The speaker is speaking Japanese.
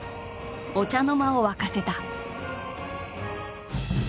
お茶の間を沸かせた。